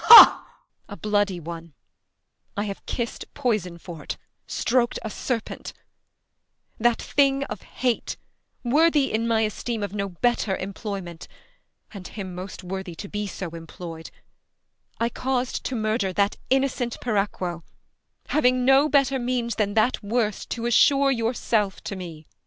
Ah. Ha! Bea . A bloody one; 65 I have kiss'd poison for't, strok'd a serpent : That thing of hate, worthy in my esteem Of no better employment, and him most worthy To be so employ'd, I caus'd to murder That innocent Piracquo, having no 70 Better means than that worst, to assure Yourself to me.